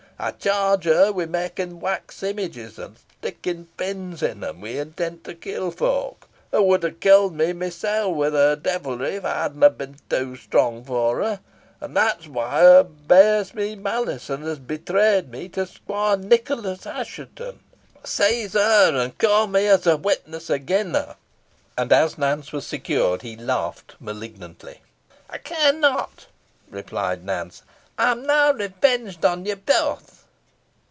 Ey charge her wi' makin' wax images, an' stickin' pins in 'em, wi' intent to kill folk. Hoo wad ha' kilt me mysel', wi' her devilry, if ey hadna bin too strong for her an' that's why hoo bears me malice, an' has betrayed me to Squoire Nicholas Assheton. Seize her, an' ca' me as a witness agen her." And as Nance was secured, he laughed malignantly. "Ey care not," replied Nance. "Ey am now revenged on you both."